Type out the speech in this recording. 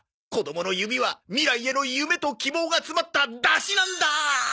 子供の指は未来への夢と希望が詰まった出汁なんだ！